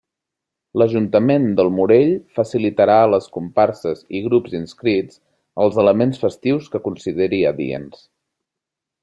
L'Ajuntament del Morell facilitarà a les comparses i grups inscrits els elements festius que consideri adients.